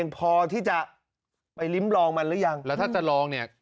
พอที่จะไปลิ้มลองมันหรือยังแล้วถ้าจะลองเนี่ย